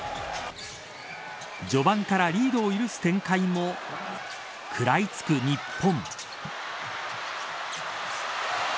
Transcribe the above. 序盤からリードを許す展開も食らいつく日本。